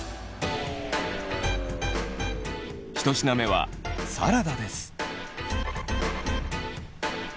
１品目はサラダです。